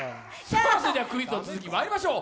それではクイズの続きまいりましょう。